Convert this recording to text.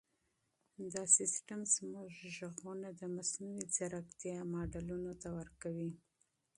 دا سیسټم زموږ ږغونه د مصنوعي ځیرکتیا ماډلونو ته ورکوي.